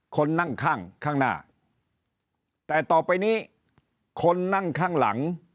คนนั่งข้างข้างหน้าแต่ต่อไปนี้คนนั่งข้างหลัง